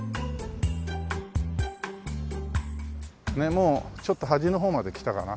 もうちょっと端の方まで来たかな。